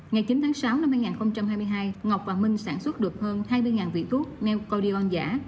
ngày chín tháng sáu năm hai nghìn hai mươi hai ngọc và minh sản xuất được hơn hai mươi vị thuốc me codion giả